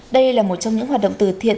đây là một trong những hoạt động từ thiện